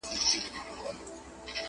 پر وجود باندي مو نه دي ازمېيلي٫